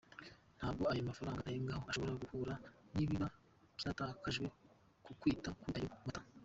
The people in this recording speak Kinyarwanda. Ntabwo ayo mafaranga arengaho ashobora guhura n’ibiba byatakajwe ku kwita kuri ayo mata.